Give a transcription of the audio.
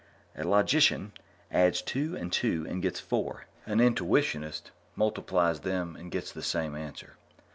A logician adds two and two and gets four; an intuitionist multiplies them and gets the same answer.